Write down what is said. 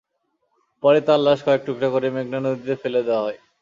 পরে তাঁর লাশ কয়েক টুকরা করে মেঘনা নদীতে ফেলে দেওয়া হয়।